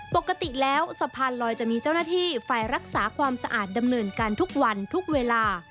ปกติแล้วสะพานลอยจะมีเจ้าหน้าที่ฝ่ายรักษาความสะอาดดำเนินการทุกวันทุกเวลา